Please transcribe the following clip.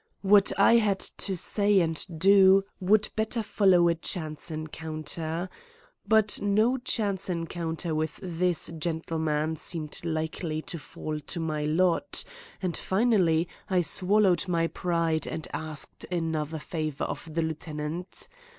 What I had to say and do would better follow a chance encounter. But no chance encounter with this gentleman seemed likely to fall to my lot, and finally I swallowed my pride and asked another favor of the lieutenant.